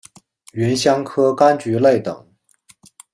芸香科柑橘类等。